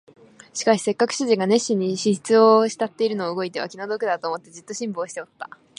しかしせっかく主人が熱心に筆を執っているのを動いては気の毒だと思って、じっと辛抱しておった